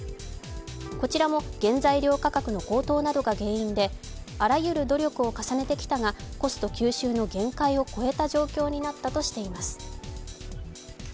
こちらも原材料価格の高騰などが原因で、あらゆる努力を続けてきたが、コスト吸収の限界を超えた状況になったとしています。